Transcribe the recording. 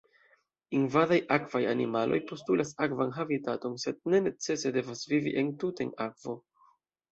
Invadaj akvaj animaloj postulas akvan habitaton, sed ne necese devas vivi entute en akvo.